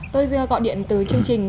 tôi gọi điện từ chương trình